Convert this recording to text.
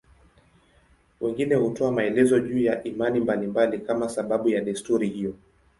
Wengine hutoa maelezo juu ya imani mbalimbali kama sababu ya desturi hiyo.